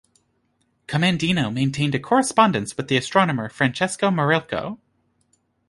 Commandino maintained a correspondence with the astronomer Francesco Maurolico.